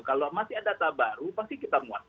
kalau masih ada data baru pasti kita muat